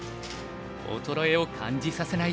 衰えを感じさせない